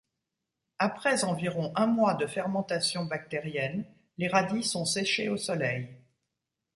Après environ un mois de fermentation bactérienne, les radis sont séchés au soleil.